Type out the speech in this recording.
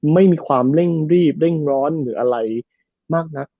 ไม่มีความเร่งรีบเร่งร้อนหรืออะไรมากนัก